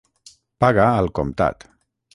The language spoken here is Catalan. Paga al comptat.